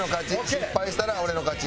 失敗したら俺の勝ち。